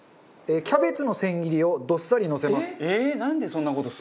キャベツの千切りをどっさりのせます。